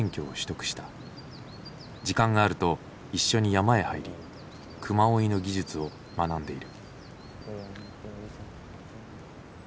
時間があると一緒に山へ入り熊追いの技術を学んでいる。